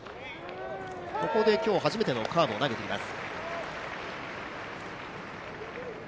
ここで今日、初めてのカーブを投げています。